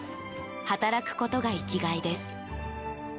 働くことが生きがいです。